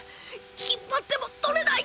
引っ張っても取れない！